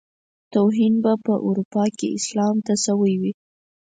توهين به په اروپا کې اسلام ته شوی وي.